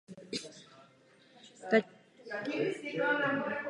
Také bylo důležitým centrem řemesel a obchodu.